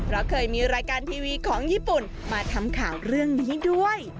เพราะเคยมีรายการทีวีของญี่ปุ่นมาทำข่าวเรื่องนี้ด้วย